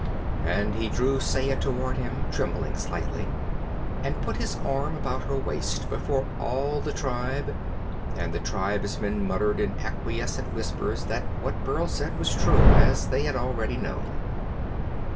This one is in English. And he drew Saya toward him, trembling slightly, and put his arm about her waist before all the tribe, and the tribesmen muttered in acquiescent whispers that what Burl said was true, as they had already known.